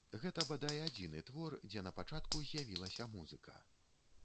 Гэта, бадай, адзіны твор, дзе напачатку з'явілася музыка.